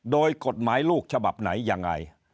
โดยกฎหมายลูกฉบับไหนยังไง